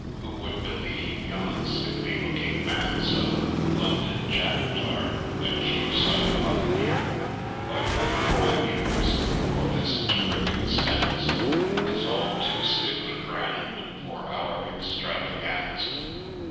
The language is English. Who would believe yon sickly looking man 's a London Jack Tar, — a Cheapside Buccaneer !—' But hold, my Muse !— for this terrific stanza Is all too stiffly grand for our Extravaganza.